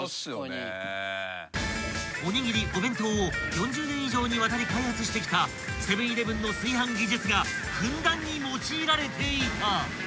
［おにぎりお弁当を４０年以上にわたり開発してきたセブン−イレブンの炊飯技術がふんだんに用いられていた］